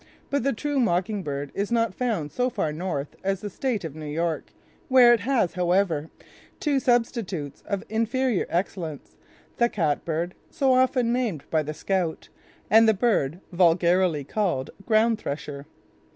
But the true mocking bird is not found so far north as the state of New York, where it has, however, two substitutes of inferior excellence, the catbird, so often named by the scout, and the bird vulgarly called ground thresher.